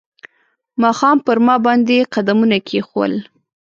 ماښام پر ما باندې قدمونه کښېښول